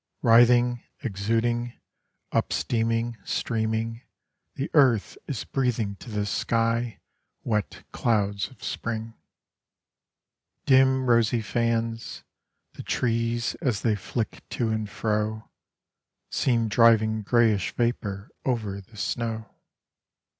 Writhing, exuding, Up steaming, streaming, The earth is breathing to the sky Wet clouds of spring. Dim rosy fans, the trees As they flick to and fro, Seem driving greyish vapour Over the snow.